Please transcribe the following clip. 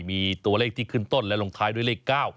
มีตัวเลขที่ขึ้นต้นและลงท้ายด้วยเลข๙